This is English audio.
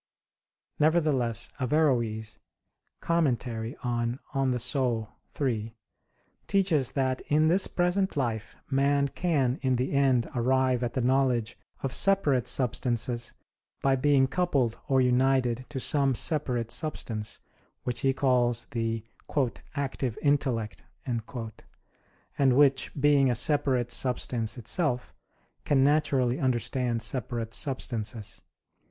Nevertheless Averroes (Comment. De Anima iii) teaches that in this present life man can in the end arrive at the knowledge of separate substances by being coupled or united to some separate substance, which he calls the "active intellect," and which, being a separate substance itself, can naturally understand separate substances.